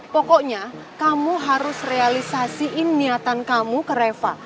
pokoknya kamu harus realisasiin niatan kamu ke reva